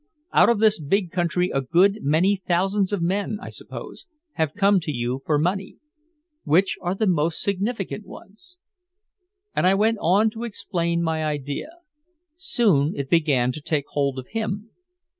Out of this big country a good many thousands of men, I suppose, have come to you for money. Which are the most significant ones?" And I went on to explain my idea. Soon it began to take hold of him.